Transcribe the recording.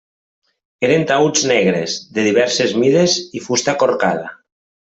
Eren taüts negres, de diverses mides i fusta corcada.